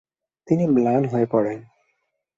তিনি ম্লান হয়ে পড়েন।